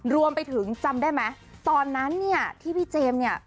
รวมไปถึงจำได้ไหมตอนนั้นเนี่ยที่พี่เจมส์เนี่ย